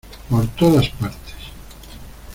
por todas partes.